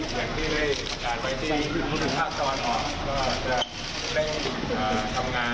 อย่างที่ได้การไปที่ภาคตะวันออกก็จะเร่งอ่าทำงาน